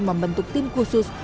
membentuk tim khusus